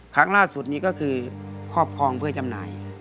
ครั้งล่าสุดนี้ก็คือครอบครองเพื่อจำหน่าย